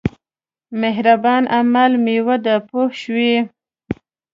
مهربان عمل مېوه ده پوه شوې!.